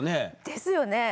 ですよね。